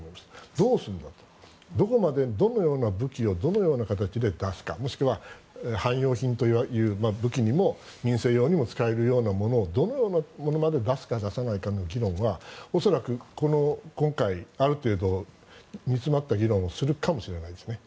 どうするんだとどこまで、どのような武器をどのような形で出すかもしくは汎用品という武器にも民生用にも使えるようなものをどのようなものまで出すか出さないかの議論は恐らく今回ある程度、煮詰まった議論をするかもしれないですね。